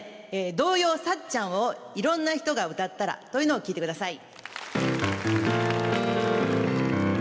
「童謡『サッちゃん』をいろんな人が歌ったら」というのを聴いてください。